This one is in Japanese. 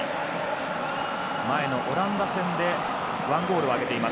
前のオランダ戦で１ゴールを挙げています